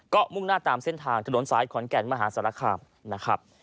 ก็มุ่งหน้าตามเส้นทางถนนสายขอนแก่นมหาศาลคามนะครับ